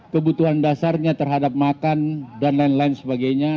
kebutuhan dasarnya terhadap makan dan lain lain sebagainya